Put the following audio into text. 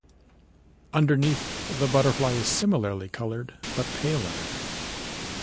Underneath, the butterfly is similarly coloured but paler.